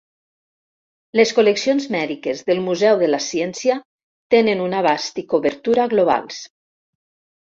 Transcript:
Les col·leccions mèdiques del Museu de la Ciència tenen un abast i cobertura globals.